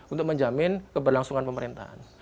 untuk menjamin keberlangsungan pemerintahan